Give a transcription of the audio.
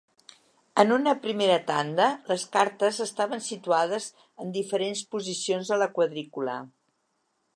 En una primera tanda, les cartes estaven situades en diferents posicions de la quadrícula.